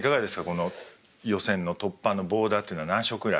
この予選の突破のボーダーっていうのは何勝くらい？